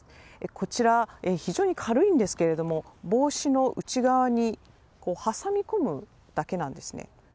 こちら、非常に軽いんですが帽子の内側に挟み込むだけなんですね。